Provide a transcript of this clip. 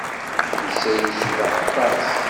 Netta yecbeḥ aṭas.